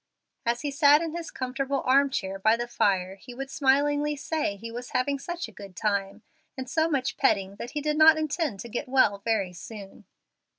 As he sat in his comfortable arm chair by the fire he would smilingly say he was having such a good time and so much petting that he did not intend to get well very soon.